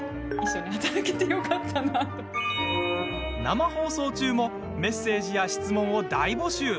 生放送中もメッセージや質問を大募集！